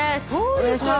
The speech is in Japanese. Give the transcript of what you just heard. お願いします。